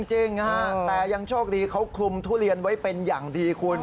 จริงแต่ยังโชคดีเขาคลุมทุเรียนไว้เป็นอย่างดีคุณ